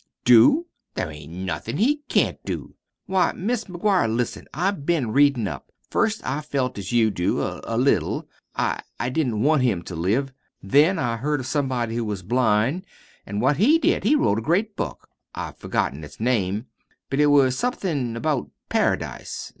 "Do? There ain't nothin' he can't do. Why, Mis' McGuire, listen! I've been readin' up. First, I felt as you do a little. I I didn't WANT him to live. Then I heard of somebody who was blind, an' what he did. He wrote a great book. I've forgotten its name, but it was somethin' about Paradise.